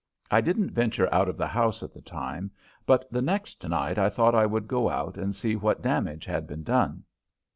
I didn't venture out of the house at the time, but the next night I thought I would go out and see what damage had been done.